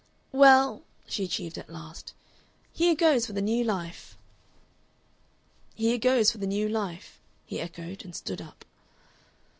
"Well," she achieved at last. "Here goes for the new life!" "Here goes for the new life," he echoed and stood up.